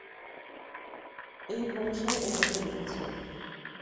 এই ভরসায় ও যেতে লিখেছে।